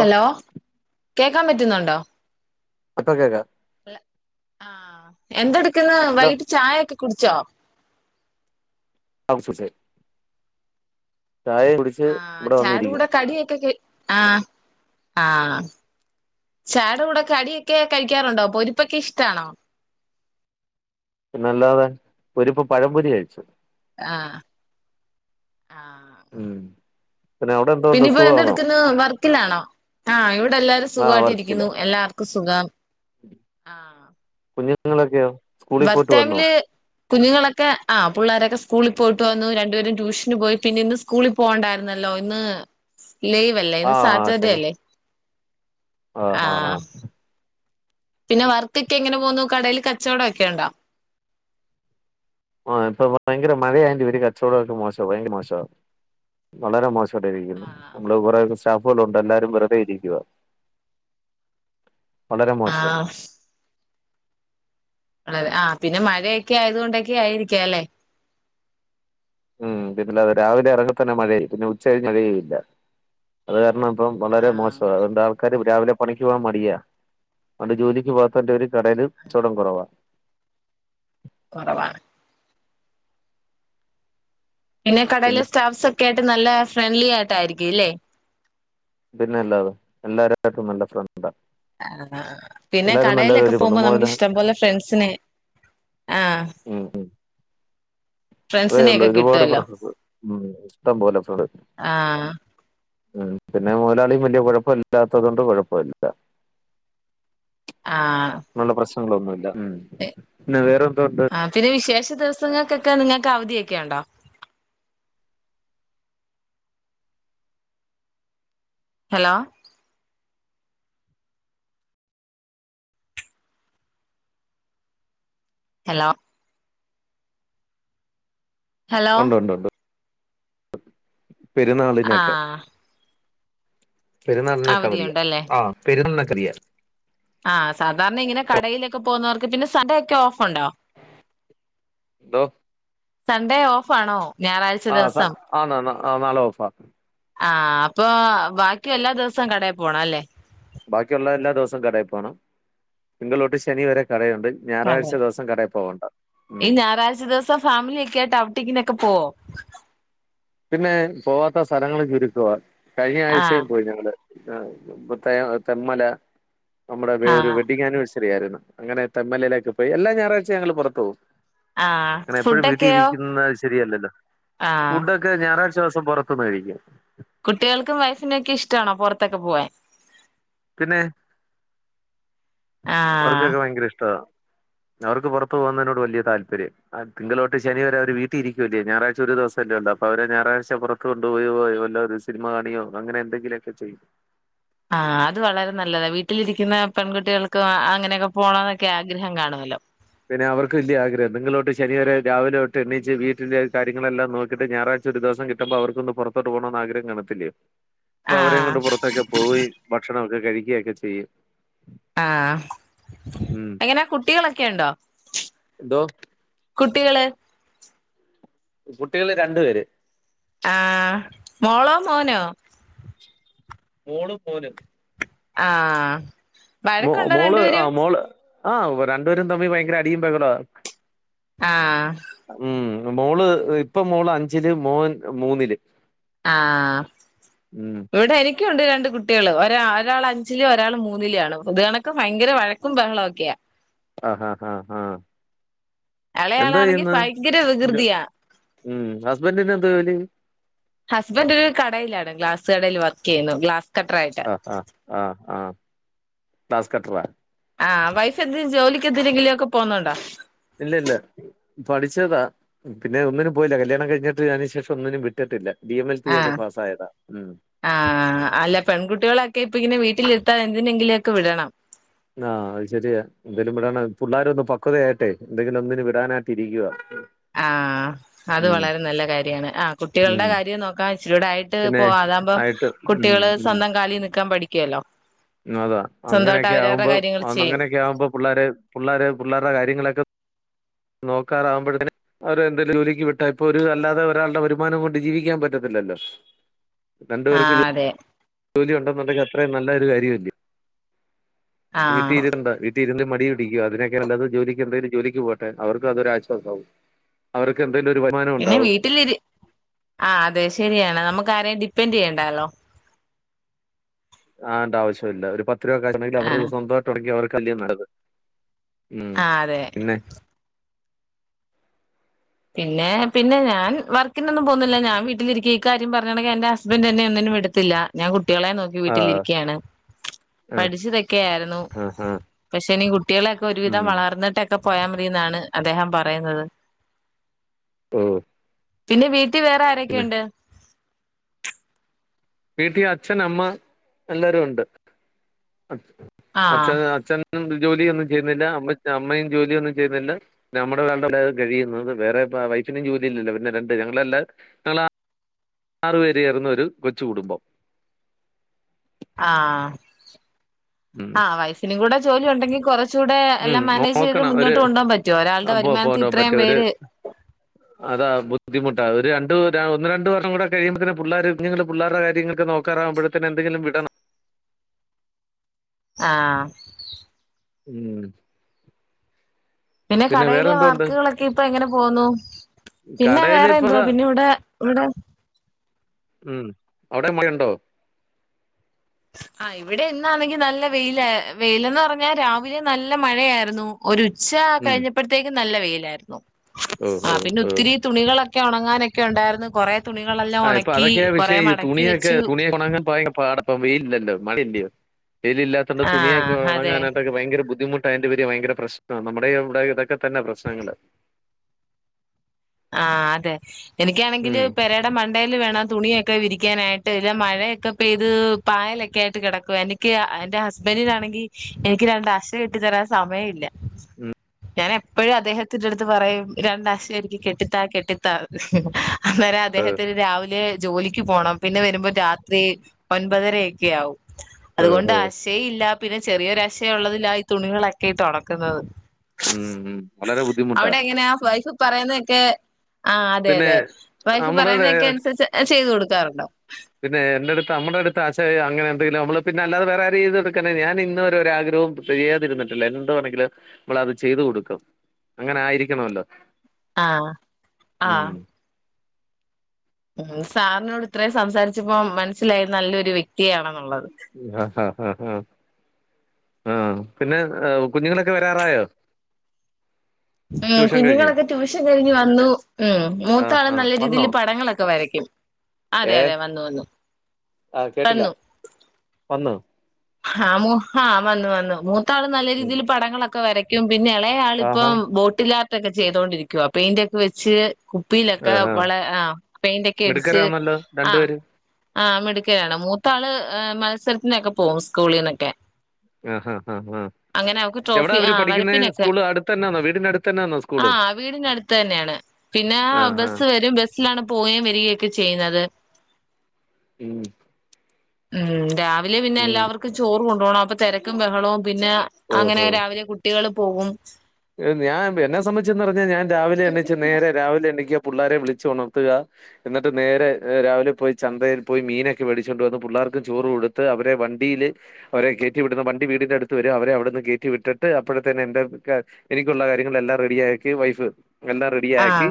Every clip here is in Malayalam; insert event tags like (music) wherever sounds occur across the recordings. ഹലോ കേക്കാൻ പറ്റുന്നുണ്ടോ ഇപ്പോ കേക്കാം ആ എന്തടു- വൈകിട്ട് ചായ ഒക്കെ കുടിച്ചോ (inaudible) ചായ കുടിച്ച് ഇവിടെ വന്നിരിക്കും ആ ആ ചായടെ കൂടെ കടിയൊക്കെ കഴിക്കാറുണ്ടോ പൊരിപ്പൊക്കെ ഇഷ്ടാണോ പിന്നെ അല്ലാതെ പൊരിപ്പ് പഴംപൊരി കഴിച്ചു ആ ആ ഉം പിന്നെ അവിടെ പിന്നെ എന്തോണ്ട് ഇപ്പൊ സുഖാണോ എന്തെട്ക്ക്ന്നു വർ ക്കിലാണോ ആ ന്തല്ലാരും ആ സുഖമായിട്ട് ഇരിക്കുന്നു വർക്കില്ല എല്ലാർക്കും സു സുഖം ആ ഞ്ഞ്ങ്ങളൊക്കെയോ ഭർത്താവിന് കുഞ്ഞുങ്ങളൊക്കെ ആ പുള്ളാരൊക്കെ സ്കൂളിൽ പോയിട്ട് വന്നു രണ്ടുപേരും ട്യൂഷന് പോയി പിന്നെ ഇന്ന് സ്കൂളിൽ പോകണ്ടായിരുന്നല്ലോ ഇന്ന് ലീവല്ലേ ആ ഇന്ന് ആ സാറ്റർഡേ ശനി അല്ലെ ആ ആ ആ പിന്നെ വർക്കൊക്കെ എങ്ങനെ പോകുന്നു കടേല് കച്ചവടം ഒക്കെ ഇണ്ടോ ആ ഇപ്പൊ ഭയങ്കര മഴയായി പേരി കച്ചവടൊക്കെ മോശ ഭയങ്കര മോശ വളരെ മോശ (unintelligible) ആഹ് നമ്മള് കൊറേക്കെ സ് സ്റ്റാഫുകളുണ്ട് എല്ലാരും വെറുതെ ഇരിക്കുക വളരെ മോശമാണ് ആഹ് ആ പിന്നെ മഴയൊക്കെ ആയതുക കൊണ്ടൊക്കെ ആയിരിക്ക അല്ലേ ഉം (unintelligible) അത രാവിലെ ഇറങ്ങ തന്നെ മഴ പിന്നെ ഉച്ചകഴിഞ്ഞ് മഴ ഇല്ല അത് കാരണം ഇപ്പം വളരെ ആഹ് മോശമാണ് അതൊണ്ട് ആൾക്കാര് രാവിലെ പണിക്ക് പോകവാൻ മടിയാ അത് കൊണ്ട് ജോലിക്ക് പോവാത്ത ഒരു കടേല് കച്ചോടം കുറവാ കുറവാണ് പിന്നെ കടയിലെ സ്റ്റാഫ്സ് ഒക്കെ നല്ല ഫ്രണ്ട്ലി ആയിട്ടായിരിക്കുംല്ലേ പിന്നെ അല്ലാതെ എല്ലാരരുായിട്ടും നല്ല ഫ്രണ്ട് ആ പിന്നെ നല്ലൊരു കടയിലൊക്കെ ഒരു പോകുമ്പോ നമുക്ക് പൊതുമോല് ഇഷ്ടം പോലെ ഫ്രണ്ട്സിനെ ആഹ അതേള്ളൂ ഒരുപാട് ഫ്രണ്ട്സ് ഉ ഇഷ്ടം പോലെ (unintelligible) ആഹ് ഉ പിന്നെ മുതലാളിയും വലിയ കുഴപ്പ ഇല്ലാത്തതുകൊണ്ട് കുഴപ്പില്ല ആ ങ്ങളൊന്നുവില്ല ആ പിന്നെ വിശേഷ ദിവസങ്ങൾക്കൊക്കെ നിങ്ങക്ക് അവധിയൊക്കെ ഉണ്ടോ ഹലോ ഹലോ ഹലോ ഉണ്ട് ഉണ്ട് ഉണ്ട് പെരുന്നാളിനൊക്കെ ആഹ് പെരുന്നാളിനൊക്കെ അവധിയാ അവധിയുണ്ടല്ലേ ആ പെരുന്നാളിന് ധിയാ ആ സാധാരണ ഇങ്ങനെ കടയിലൊക്കെ പോകുന്നവർക്ക് പിന്നെ സൺ‌ഡേ ഒക്കെ ഓഫ്ണ്ടോ ന്തോ സൺഡേ ഓഫാണോ ഞായറാഴ്ച ദിവസം ആ നാളെ ഓഫാ ആഹ അപ്പൊ ബാക്കി എല്ലാ ദിവസവും കടയിൽ പോണം അല്ലേ ബാക്കിയുള്ള എല്ലാ ദിവസവും കടയിൽ പോണം നതിങ്കള് തൊട്ട് ശനി വരെ കടയുണ്ട് ഞായറാഴ്ച അതെ ദിവസം കടയിൽ പോവണ്ട ഉം ഈ ഞായറാഴ്ച ദിവസം ഫാമിലിയ ഒക്കെ ആയിട്ട് അവിട്ടിക്കിനൊക്കെ പോവോ പിന്നെ പോവാത്ത സ്ഥലങ്ങൾ ചുരുക്കവാ കഴിഞ്ഞ ആഹ് ആഴ്ചയും പോയി ഞങ്ങള് ആ ഇപ്പെ ത്തെ തെൻ മല നമ്മുടെ വെ ഒരു ആഹ് വെഡി് ആനിവേഴ്സറി ആയിരുന്നു അങ്ങനെ താൻ യിലേക്ക് എല്ല ഞായറാഴ്ച ഞങ്ങള് പുറത്ത പോവും ആഹ് അങ്ങനെ എപ്പോഴും വീട്ടി ഫുഡൊക്കെയോ ഇരിക്കുന്നത് ശരിയല്ലല്ലോ ആഹ് ഫുഡ് ഞായറാഴ്ച ദിവസം പുറത്തുന്നഴിക്കും കുട്ടികൾക്കും വൈഫിനും ഒക്കെ ഇഷ്ടമാണോ പുറത്തൊക്കെ പോവാൻ പിന്നെ ആഹ് അവർക്കൊക്കെ ഭയങ്കര ഇഷ്ട അവർക്ക് പുറത്തു പോകുന്നതിനോട് വലിയ താല്പര്യ തിങ്കളോട്ട് ശനി വരെ അവർ വീട്ടിൽ ഇരിക്കുവല്ലേ ഞായറാഴ്ച ഒരു ദിവസമല്ലേ ഉള്ളോ അപ്പൊ അവരെ ഞായറാഴ്ച പുറത്ത് കൊണ്ടുപോയവോ വല്ല ഒരു സിനിമ കാണിയോ അങ്ങനെ എന്തെങ്കിലുമൊക്കെ ചെയ്യും ആഹ് അത് വളരെ നല്ലതാ വീട്ടിലിരിക്കുന്ന പെൺകുട്ടികൾക്ക് അങ്ങനെയൊക്കെ പോണംന്നൊക്കെ ആഗ്രഹം കാണുല്ലോ പിന്നെ അവർക്ക് വല്യ ആഗ്രഹം തിങ്കളോട്ട് ശനി വരെ രാവിലെ തോട്ട് എണിച്ച് വീട്ടിലെ കാര്യങ്ങളെല്ലാം നോക്കീട്ട് ഞായറാഴ്ച ഒരു ദിവസം കിട്ടുമ്പോ അവർക്കൊന്ന് പൊറത്തോട്ട് പോണൊന്ന് ആഗ്രഹം കാണത്തില്ലെയോ അപ്പൊ അവരേം ആഹ് കൊണ്ട് പൊറത്തൊക്കെ പോയി ഭക്ഷണം കഴിക്കയൊക്കെ ചെയ്യും ആ ഉം എങ്ങനെ കുട്ടികളൊക്കെ ഇണ്ടോ? എന്തോ? കുട്ടികള് കുട്ടികള് രണ്ടു പേര് ആഹ് മോളോ മോനോ മോളും മോനും ആഹ് മോ വഴക്കുണ്ടോ മോള് ആ രണ്ടുപേരും മോള് ആഹ് രണ്ടുപേരും തമ്മി ഭയങ്കര അടിയും ബഹ്ളാ ആഹ് മോള് ഇപ്പ മോള് അഞ്ചില് മോൻ മൂന്നില് ആഹ് ഉം ഇവിടെ എനിക്കുണ്ട് രണ്ട് കുട്ടികള് ഒര ഒരാള് അഞ്ചില് ഒരാള് മൂന്നിലാണ് പൊതു കണക്ക ഭയങ്കര വഴക്കും ബഹളം ഒക്കെയാ ആഹാ ആ എന്താ ഇളയാളാണെങ്കി ചെയ്യന്ന് ഭയങ്കര വികൃതിയാ ഉം ഹസ്ബൻഡിനു എന്താ ജോലി ഹസ്ബൻഡ് ഒരു കടയിലാണ് ഗ്ലാസ് കടയിൽ വർക്ക് ചെയ്യുന്നു ഗ്ലാസ് കട്ടർ ആയിട്ട് ആഹ ആഹ് ആഹ് ആഹ് ഗ്ലാസ്‌ കട്ട്റാ ആ വൈഫ് എന്ത്‌ ജോലിക്ക് എന്തിനെങ്കിലും ഒക്കെ പോവുന്നുണ്ടോ ഇല്ല ഇല്ല പഠിച്ചതാ പിന്നെ ഒന്നിനും പോയില്ല കല്യാണം കഴിഞ്ഞിട്ട് അതിനു ശേഷം ഒന്നിനും വിട്ടിട്ടില്ല ഡി എം എൽ ടി ഒക്കെ ആഹ് പാസ്സായതാ ഉം ആഹ് അല്ല പെൺകുട്ടികളൊക്കെ ഇപ്പം ഇങ്ങനെ വീട്ടില് എന്തിനെങ്കിലെക്കെ വിടണം ആ അത് ശരിയാ എന്തേലും വിടണം പിള്ളോര ഒന്ന് പക്വതയായിട്ടെ എന്തെങ്കിലും ഒന്നന് വിടാനായിട്ട് ഇരിക്കുവ ആ അത് ഉം വളരെ നല്ല കാര്യണ്. ആ കുട്ടികളുടെ ഉം കാര്യം നോക്കാ ഇച്ചിരൂടെ ആയിട്ട് പിന്നെ പോ അതാകുമ്പം ആയിട്ട് കുട്ടികള് സ്വന്തം കാലിൽ നിക്കാൻ പഠി കേലോ അ അങ്ങനെയൊക്കെ ആകുമ്പോ അ ചെയ്യും അങ്ങനെയൊക്കെ ആകുമ്പോ പിള്ളേർ പിള്ളോര് പിള്ളേരുടെ കാര്യങ്ങളൊക്കെ നോക്കാറാാവുമ്പോഴത്തന് അവര് എന്തേലും ജോലിക്ക് വിട്ടാ ഇപ്പൊ ഒരു അല്ലാതെ ഒരാളുടെ വരുമാനം കൊണ്ട് ജീവിക്കാൻ പറ്റത്തില്ലല്ലോ ആ രണ്ടുപേർക്ക് അതെ ജോലി ഉണ്ടെന്നുണ്ടെങ്കിൽ അത്രയും നല്ല ഒരു കാര്യമല്ലേ വി ആഹ് തീതിരന്താ വി രുന്ന് മടി പിടിക്ക അതിനൊക്കെ അല്ലത് ജോലിക്ക് എന്തെങ്കും ജോലിക്ക് പോട്ടെ അവർക്ക് എന്തെങ്കിലും ആശ്വാസം ആവും അവർക്ക് എന്തെങ്കിലും ഒരു വരുമാനം ഉണ്ടാവും വീട്ടിലിര് അ അതെ ശരിയാണ് നമുക്ക് ആരെയും ഡിപ്പെൻഡ് ചെയ്യണ്ടല്ലോ ആ ആവശ്യം ഇല്ല ഒരു പത്ത് ആഹ് (unintelligible) (unintelligible) മ്മ് ആഹ് അതെ പിന്നെ പിന്നെ പിന്നെ ഞാ വർക്കിനൊന്നും പോന്നുന്നില്ല ഞാൻ വീട്ടിരിക്ക ഈ കാര്യം പറഞ്ഞുണെങ്കിൽ എൻന്റെ ഹസ്ബൻഡ് എന്നന്നെ ഒന്നിനും വിടത്തില്ല കുട്ടികളെ നോക്കി ആ വീട്ടിലിരിക്കയാണ് ആ പഠിച്ചതൊക്കെയ ആയിരുന്നു ആ ആ പക്ഷെ ഇനി കുട്ടികളെയൊക്കെ ഒരുവിധം ഉം വളർന്നിട്ടൊക്കെ പോയാമ ന്നാണ് അദ്ദേഹം പറയുന്നത് ആഹ പിന്നെ വീട്ട ട്ടി വേറെ ആരൊക്കെ ഉണ്ട് വീട്ടിൽ അച്ഛൻ അമ്മ എല്ലാരും ഉണ്ട് അ ആഹ് അഛന അച്ഛൻ ജോലിയ ഒന്നും ചെയ്യുന്നില്ല അമ്മ അമ്മയും ജോലിയൊന്നും ചെയ്യുന്നില്ല നമ്മുടെളുടെവിടെ കഴിയുന്നത് വേറെ വൈഫിനും ജോലില്ല പിന്നെ രണ്ട് ഞങ്ങളല്ല ആറ പേര് ചേർന്നൊരു കൊച്ചുകുടുംബം ആഹ ഉം ആഹ വൈഫിനും കൂടെ ജോലി ഉണ്ടെിൽ കുറച്ച് കൂടെ ഉം എല്ലാം മാനേജ് ചെയ്ത് നോക്കണം മുന്നോട്ട് കൊണ്ടുപോൻ പറ്റുമോ ഒരാളുടെ അപ്പൊ പോകാൻ വരുമാനത്തിൽ ഇത്രയും പറ്റും ഒരു പേര് അതാ ബുദ്ധിമുട്ടാ ഒരു രണ്ടു ഒന്ന് രണ്ടു വർഷം കൂടെ കഴിയുമ്പത്തന്നെ പിള്ളോര്ങ്ങള്ൾ പിള്ളേരുടെ കാര്യങ്ങൾക്കെ നോക്കാറാകുമ്പഴത്തന്നെ എന്തെങ്കിലും വിടണം ആ ഉം പിന്നെ വേറെ കടയിലെ എന്തോ ഉണ്ട് വർക്കുകളൊക്കെ ഇപ്പൊ എങ്ങനെ പോന്നു പിന്നെ കടയിൽ വേറെ ഇപ്പൊ എന്തവാ ദാ, പിന്നെ ഇവിടെ ഇവിടെ ഉം അവിടെ മഴണ്ടോ ആ ഇവിടെ ഇന്നാണെങ്കി നല്ല വെയില വെയിലന്ന് പറഞ്ഞാൽ രാവിലെ നല്ല മഴയായിരുന്നു ഒരു പക്ഷേ ആ ഉം. കഴിഞ്ഞപ്പഴത്തേക്കും നല്ല വെയിലായ്ര്ന്നു ഓ ആ ഓ പിന്നെ ഓ ഒത്തിരി തുണികളൊ ക്കി ഒണങ്ങാനോക്കെ ഉണ്ടായിര്ന്നു കോറെ ആ ഇപ്പോ അതോക്കെയാ വിഷയ ഈ തുണിയോക്കെ വെച്ചു തുണിയെഉണങ്ങാൻ ഭയകര പാട ഇപ്പം വെയിൽല്ലല്ലോ മഴയല്ലയോ വെയിൽല്ലാതോണ്ട് തുണിയോക്കെ ആഹ് അതെ ഉണങ്ങാനായിട്ടോകെ ഭയങ്കര ബുദ്ധിമു അതിന്റെ പേര് ഭയങ്കര പ്രശ്നാണ് നമ്മുടെ ഇവിടെ ഇതോക്കെ തന്നെ പ്രശ്നങ്ങള് ആ അതെ എനിക്കാണെങ്കിൽ ഉം. പെരെടെ മണ്ടെയിൽ വേണം തുണിയോക്കെ വിരി ക്കാനായിട്ട് ഇല്ല മഴയെക്കെ പെയ്ത് പായലോക്കെ ആയിട്ട് കിടക്കും എനിക്ക് എന്റെ ഹസ്ബെന്റിനാണെങ്കിൽ എനിക്ക് രണ്ട് അശ കെട്ടി തരാൻ സമയം ഇ ല്ല ഞാന ഇപ്പഴും അദ്ദേഹത്തിന്റെറ അടുത്ത് പറയും രണ്ടാശ എനിക്ക് കെട്ട് കെട്ടിത്താ കെട്ടിത്താ എന്നു അന്നെരം അദ്ദേഹത്തിന് രാവിലെ ജോലിക്ക് പോണം പിന്നെ വരുമ്പോ രാത് ത്രി ഒൻപതര ആയി ക്കെയാവും ഓ, അതുകൊണ്ട് ഓ. അശയില്ലാ പിന്നെ ചെറിയൊരശയുള്ളതിലായി ഈ തുണികളൊക്കി ട്ടൊണക്കുന്നത് ഉം ഉം വളരെ ബുദ്ധിമുട്ടാ പറയുന്നേക്കെ ആ അതെ പിന്നെ അതെ വൈഫ് നമ്മുടെ പറയുന്നതൊക്കെ അനുസരിച്ച് ചെയ്തു കൊടു ക്കാറുണ്ടോ പിന്നെ എന്റടുത്ത് നമ്മുടെ അടുത്ത് ആശയോ അങ്ങനെ എന്തെങ്കിലും നമ്മള് പിന്നെ അല്ലാതെ വേറെ ആരെയ്തൊടുക്കാനാ ഞാൻ ഇന്ന് വരെ ഒരാഗ്രഹോം ചെയ്യാതിരുന്നിട്ടില്ല എന്ത് വാണെങ്കിലും മ്മളത് ചെയ്ത് കൊടുക്കും അങ്ങനെ ആയിരിക്കണോല്ലോ ആ ആ ഉം സാറിനോട് ഇത്രയും സംസാരിച്ചപ്പോ മനസ്സിലായി നല്ലൊരു വ്യക്തിയാണെന്നുള്ളത് ഉം ഹ ഹ ഹ ഹ ആ പിന്നെ കുഞ്ഞുങ്ങളൊക്കെ വരാറായോ ഉംഹ് ട്യൂഷൻ കഴിഞ്ഞ് കുഞ്ഞുങ്ങളൊക്കെ ട്യൂഷ കഴിഞ്ഞ് വന്നു ഉംഹ് ആ മൂത്താള് ആ നല്ല വന്നോ രീതില് പടങ്ങളൊക്കെ വരയ്ക്കും അതെ അതെ വന്നു വന്ന് ആഹ്ആ കേട്ടില്ല വന്നോ ഹാ മൂ ഹാ വന്ന് വന്നു മൂത്ത് ഇത്താള് ഉം നല്ലരീതില് പടങ്ങളൊക്കെ ക്കെരയ്ക്കും പിന്നെ എളേയാളിപ്പം ആഹാ ബോട്ടിലാർ ഇതൊക്കെ ചെയ്തോണ്ടിരിക്കുവാ പെയിന്റെക്കെ വെച്ച് കുപ്പിയിലേക്കെ ആഹാ വള് ആഹ് പെയിന്റ് ഒക്കെ അടിച്ച് മിടുക്കരാന്നല്ലോ ആ രണ്ടുപേരും ആ മിടുക്കിയാണ്‌ മൂത്താള് ആഹ് മത്സരത്തിനൊക്കെ പോ സ്കൂളീന്നെക്കെ ആഹാ ആ ഹാ ഹാ ഹാ അങ്ങനെ അവക്ക് എവിടാ ട്രോഫി അവര് ആഹ്ആ പഠിക്കുന്നത് വരപ്പിനെക്കെ സ്കൂള് അടുത്ത് തന്നെയാന്നോ വീടിന്റെ അടുത്ത് തന്നെയാന്നോ സ്കൂള് ആഹ വീടിന്റെടുത്ത് തന്നെയാണ് പിന്നെ ആ ബസ് വരും ബസിലാണ് പോവേം വരികയൊക്കെ ക്ക് ചെയ്യുന്നത് ഉംഹ് ഉംഹ് രാവീ പിന്നെ എല്ലാവർക്കും ചോറു കൊട് പൊണോ അപ്പ തെരക്കും ബഹളേം പിന്നെ അങ്ങനെ ഓഹോ രാവിലെ കുട്ടേള് പോവും. ഞാൻ എന്നെ സംബന്ധിച്ചന്ന് പറഞ്ഞാ ഞാൻ രാവിലെ എണീച്ചു നേരെ രാവിലെ എണീക്കും. പുള്ളേരെ വിളിച്ച് ഉണർത്തുക എന്നിട്ട് നേരെ രാവിലെ പോയി ചന്തയിൽ പോയി മീനൊക്കെ മേടിച്ചുകൊണ്ട് വന്ന് പിള്ളേർക്കും ചോറ് കൊടുത്ത് അവരെ വണ്ടിൽ അവരെ കയറ്റി വിടുന്ന വണ്ടി വീടിന്റെ അടുത്ത് വരാ അവരെ അവിടെന്നു കേറ്റി വിട്ടിട്ട് അപ്പോഴത്തന്നെ എന്റെ എനിക്കുള്ള കാര്യങ്ങളല്ലാം റെഡിയാക്കി വൈഫ് എല്ലാം ആ റെഡിയാക്കി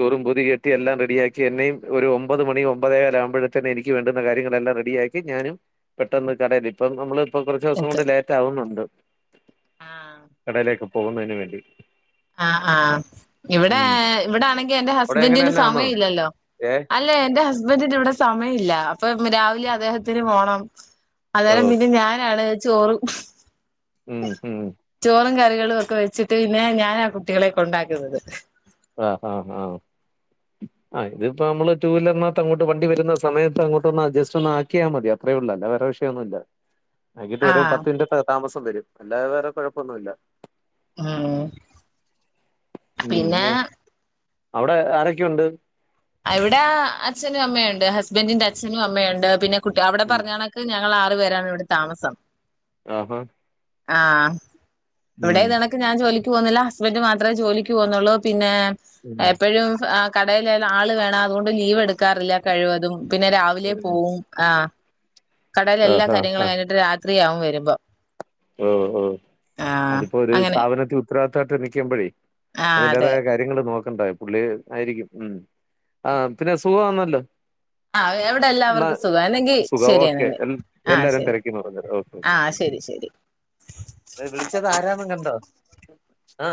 ചൂറും പുതി കെട്ടി എല്ലാം റെഡിയാക്കി എന്നെയും ഒരു ഒമ്പത് മണി ഒമ്പതേകാല ആകുമ്പോഴത്തെന് എനിക്ക് വേണ്ടുന്ന കാര്യങ്ങളെല്ലാം റെഡിയാക്കി ഞാനും പെട്ടെന്ന് കടയിൽ ഇപ്പം നമ്മള് ഇപ്പൊ കുറച്ച് ദിവസം കൊണ്ട് എത്തും ലേറ്റ് ആവുന്നുണ്ട്. കടയിലേക്കും. പോകുന്നയിന് വേണ്ടി ആ ആ ഇവിടെ ഉം. ഇവിടെ ആണെങ്കി എന്റെ അവിടെ അങ്ങനെ ഹസ്ബൻറിന് തന്നെയാന്നോ സമയ ഇല്ലല്ലോ ഏ അല്ലെ എന്റെ ഹസ്ബൻറിന്റെ ഇവിടെ സമയം ഇല്ല ഇപ്പം രാവിലെ അദ്ദേഹത്തിന് പോണം ഓ അന്നേരം പിന്നെ ഞാനാണ് ചോറും ഉം ഉം ട്ട്യോളോ ക്കെ വെച്ചിട്ട് പിന്നെ ഞാനാ കുട്ടികളെ കൊണ്ടാക്കുന്നത് ആഹ് ആഹ് ആ ആ ഇതിപ്പോ മ്മള് ടു വീലർനാത്ത് അങ്ങോട്ട് വണ്ടി വരുന്ന സമയത്ത് അങ്ങോട്ടൊന്ന് അഡ്ജസ്റ്റ് ഒന്ന് ആക്കിയാ മതി അത്രേ ഉള്ളൂ. അതാ വേറെ വിഷയൊന്നുല്ല. ആക്കിട്ട് ഒരു ആഹ് പത്ത് മിനിറ്റത്തെ താമസം വരും അല്ലാതെ വേറെ കൊഴപ്പൊന്നുല്ല ആ ഉം പിന്നെ ഉം. അവിടെ ആരൊക്കെയുണ്ട് അവിടെ അച്ഛനും അമ്മയുണ്ട് ഹസ്ബൻറിിന്റെ അച്ഛനും അമ്മയുണ്ട് പിന്നെ കുട്ടി അവിടെ ഉം. പറഞ്ഞ കണക്ക് ഞങ്ങളാ രണ്ടുപേരാണ് ഇവിടെ താമസം ആ ഹ ആ എവിടെ (unintelligible) ഞാൻ ജോലിക് ക്ക് പോന്നില്ല ഹസ്ബന്റ് മാത്രേ ജോലിക്ക് പോന്നൊള്ളൂ പിന്നെ ഉം എപ്പഴും ആ കടേല് ആള് വേണം അതുകൊണ്ട് ലീവ് എടുക്കാറില്ല കഴിവതും പിന്നെ രാവിലെ ഉം. പോവും ആ കടേലെ എല്ലാ ആഹാ കാര്യങ്ങളും കഴിഞ്ഞിട്ട് രാത് ത്രിയാകും വരുമ്പം മ് മ് അതിപ്പൊ ഒരു അങ്ങനെ സ്ഥാപനത്തി ഉത്തരവാദിത്തായിട്ട് നിക്കുമ്പഴേ ആഹ് അതെ അതിന്റേതായ കാര്യങ്ങൾ നോക് ണ്ടായി പുള്ളി ആയിരിക്കും ഉം ആ പിന്നെ സുഖമാന്നല്ലോ ആ എവിടെ എന്നാ എല്ലാവർക്കും സുഖം എന്നിങ്കി സുഖം ശരി ഓക്കെ എന്നിങ്കി ആ എല്ലാരും ശെരി തിരക്കിന്ന് പറഞ്ഞല്ലോ ഓക്കെ ആ ശെരി ശെരി ഏ വിളിച്ചത് ആരാന്ന കണ്ടോ ആ